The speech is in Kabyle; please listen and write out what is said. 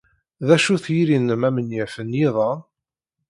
D acu-t yiri-nnem amenyaf n yiḍan?